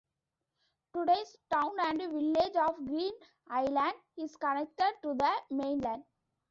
Today's town and village of Green Island is connected to the mainland.